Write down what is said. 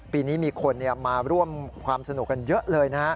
ปีนี้มีคนมาร่วมความสนุกกันเยอะเลยนะฮะ